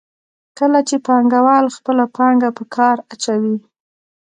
کله چې پانګوال خپله پانګه په کار اچوي